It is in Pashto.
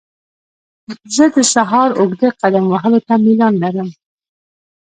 زه د سهار اوږده قدم وهلو ته میلان لرم.